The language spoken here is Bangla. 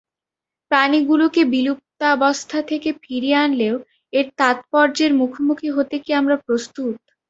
প্রাণীগুলোকে বিলুপ্তাবস্থা থেকে ফিরিয়ে আনলেও, এর তাৎপর্যের মুখোমুখি হতে কি আমরা প্রস্তুত?